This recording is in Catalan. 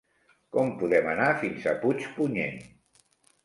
Com podem anar fins a Puigpunyent?